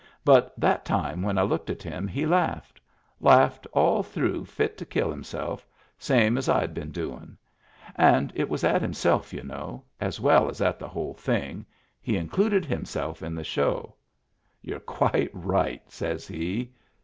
But that time when I looked at him he laughed — laughed all through fit to kill himself, same as I'd been doin*. And it was at himself, y'u know, as well as at the whole thing; he in cluded himself in the show. "You're quite right," says he.